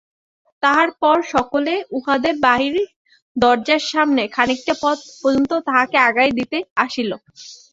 তাহার পর সকলে উহাদের বাড়ির দরজার সামনে খানিকটা পথ পর্যন্ত তাহাকে আগাইয়া দিতে আসিল।